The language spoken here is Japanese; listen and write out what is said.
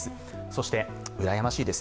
そしてうらやましいです。